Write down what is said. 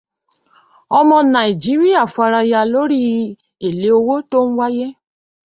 Ọmọ Nàìjíríà faraya lórí èlé owó tó ń wáyé.